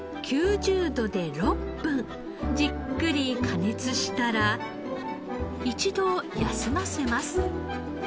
９０度で６分じっくり加熱したら一度休ませます。